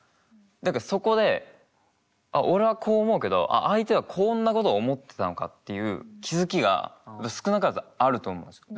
だからそこで「俺はこう思うけど相手はこんなことを思ってたのか」っていう気付きが少なからずあると思うんすよ。